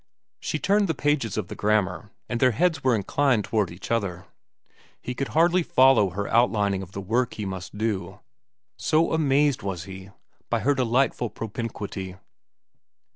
She turned the pages of the grammar, and their heads were inclined toward each other. He could hardly follow her outlining of the work he must do, so amazed was he by her delightful propinquity.